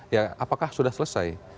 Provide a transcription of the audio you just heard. ya apakah sudah selesai